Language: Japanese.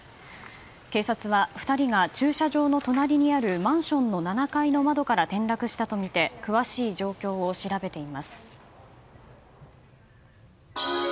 警察は２人が駐車場の隣にあるマンションの７階の窓から転落したとみて詳しい状況を調べています。